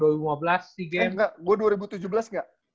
oh dua ribu tujuh belas enggak ya